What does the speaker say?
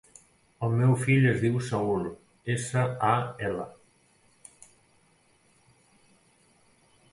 El meu fill es diu Saül: essa, a, ela.